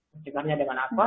pencegahannya dengan apa